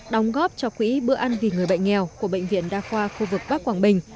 đóng góp cho quỹ bữa ăn vì người bệnh nghèo của bệnh viện đa khoa khu vực bắc quảng bình